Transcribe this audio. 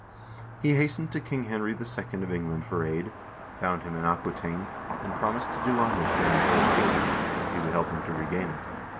He hastened to King Henry II. of England for aid, found him in Aquitaine, and promised to do homage to him for his kingdom, if he would help him to regain it.